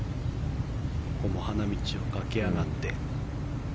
ここも花道を駆け上がって。